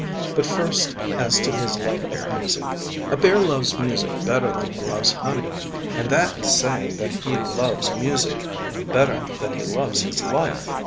But first as to his love of music. A bear loves music better than he loves honey, and that is saying that he loves music better than he loves his life.